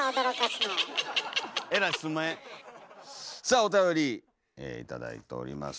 さあおたより頂いております。